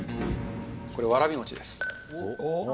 これ、わらびもちです。